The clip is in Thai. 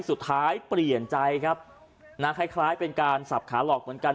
สุดท้ายเปลี่ยนใจครับนะคล้ายคล้ายเป็นการสับขาหลอกเหมือนกัน